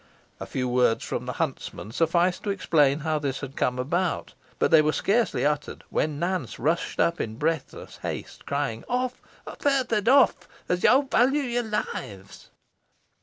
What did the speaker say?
A few words from the huntsman sufficed to explain how this had come about, but they were scarcely uttered when Nance rushed up in breathless haste, crying out "Off! further off! as yo value your lives!"